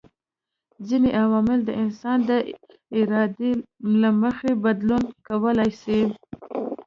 ځيني عوامل د انسان د ارادې له مخي بدلون کولای سي